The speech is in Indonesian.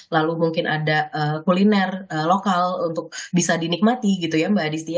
lalu mungkin ada kuliner lokal untuk bisa dinikmati gitu ya mbak adisti